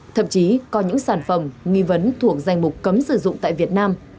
thậm chí có những sản phẩm nghi vấn thuộc danh mục cấm sử dụng tại việt nam